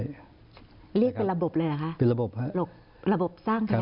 เรียกเป็นระบบเลยเหรอครับ